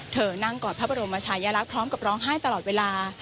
เธอนั่งกอดพระบรมชายลักษณ์พร้อมกับร้องไห้ตลอดเวลา